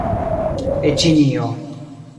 En Ĉinio